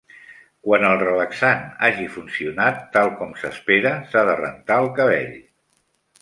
Quan el relaxant hagi funcionat tal com s'espera, s'ha de rentar el cabell.